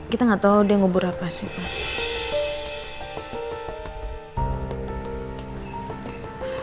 kita gak tau dia ngubur apa sih